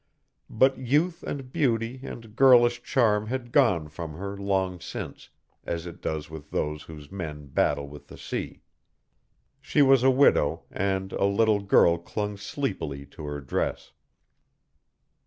But youth and beauty and girlish charm had gone from her long since, as it does with those whose men battle with the sea. She was a widow, and a little girl clung sleepily to her dress.